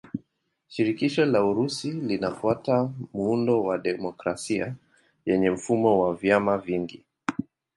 Shirikisho la Urusi linafuata muundo wa demokrasia yenye mfumo wa vyama vingi.